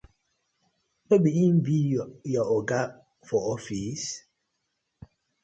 No bi him bi yu oga for office?